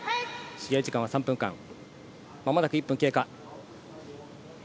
試合時間は３分間、間もなく１分経過。